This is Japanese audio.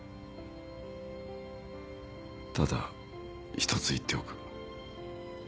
ただ１つ言っておく。